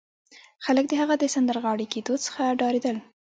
خلک د هغه د سندرغاړي کېدو څخه ډارېدل